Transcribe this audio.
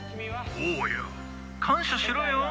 おうよ。感謝しろよ？